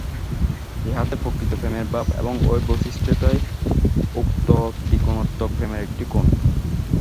ইহাতে প্রকৃত প্রেমের ভাব, এবং এই বৈশিষ্ট্যই উক্ত ত্রিকোণাত্মক প্রেমের একটি কোণ।